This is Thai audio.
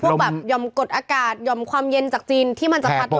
ว่ายอมกดอากาศยอมความเย็นจากจีนที่มันสะพัดลงมา